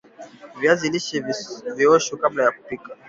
viazi lishe viOshwe kabla ya kupika